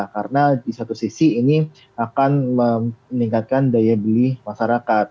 karena di satu sisi ini akan meningkatkan daya beli masyarakat